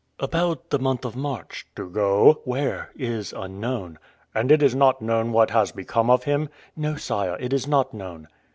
"About the month of March?" "To go...?" "Where, is unknown." "And it is not known what has become of him?" "No, sire; it is not known."